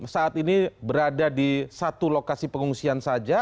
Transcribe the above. saat ini berada di satu lokasi pengungsian saja